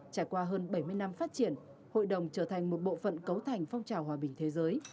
trải qua hơn bảy mươi năm phát triển hội đồng trở thành một bộ phận cấu thành phong trào hòa bình thế giới